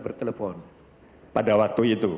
bertelepon pada waktu itu